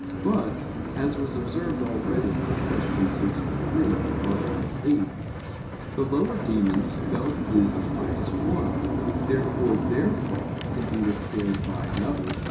But, as was observed already (Q. 63, A. 8), the lower demons fell through the highest one. Therefore their fall can be repaired by another.